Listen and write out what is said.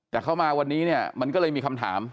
แต่เข้ามาวันนี้เนี่ยมันก็เลยมีคำถาม